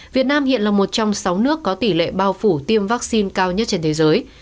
việt nam hiện là một trong sáu nước có tỷ lệ bao phủ tiêm vaccine cao nhất trên thế giới